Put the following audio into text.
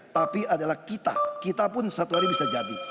tapi adalah kita kita pun satu hari bisa jadi